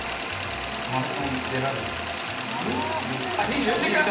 マラソンに出られると。